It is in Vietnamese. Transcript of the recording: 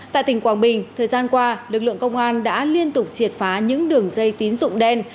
tại tỉnh quảng bình thời gian qua lực lượng công an đã liên tục triệt phá những đường dây tín dụng đen